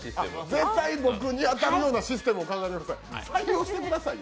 絶対僕に当たるようなシステムを考えてください。